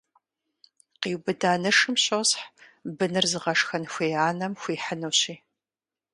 Къиубыда нышым щосхь, быныр зыгъэшхэн хуей анэм хуихьынущи.